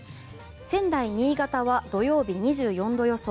仙台、新潟は土曜日に２４度予想。